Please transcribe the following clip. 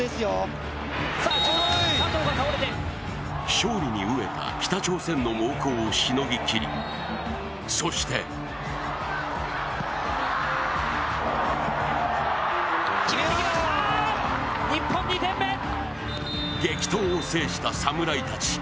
勝利に飢えた北朝鮮の猛攻をしのぎきり、そして激闘を制した侍たち。